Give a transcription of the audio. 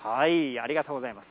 ありがとうございます。